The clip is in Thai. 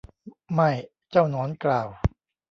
ไม่ เจ้าหนอนกล่าว